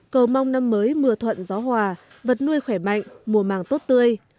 cầu mong năm mới mưa thuận gió hòa vật nuôi khỏe mạnh mùa màng tốt tươi